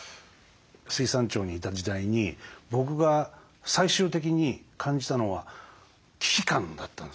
水産庁にいた時代に僕が最終的に感じたのは危機感だったんですね。